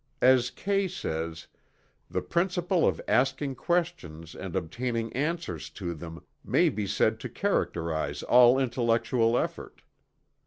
As Kay says: "The principle of asking questions and obtaining answers to them, may be said to characterize all intellectual effort."